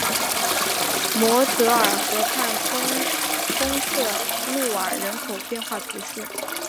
摩泽尔河畔丰特努瓦人口变化图示